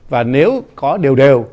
và nếu có đều đều